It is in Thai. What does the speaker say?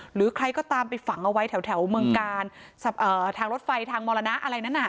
หรือใครก็ตามไปฝังเอาไว้แถวเมืองกาลทางรถไฟทางมรณะอะไรนั้น